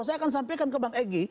saya akan sampaikan ke bang egy